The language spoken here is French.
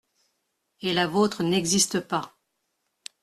Et la vôtre n’existe pas.